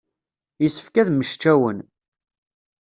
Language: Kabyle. Yessefk ad mmečcawen.